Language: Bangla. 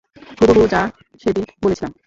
হুবহু, যা সেদিন বলেছিলাম।